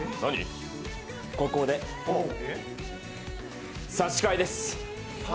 ここで差し替えです。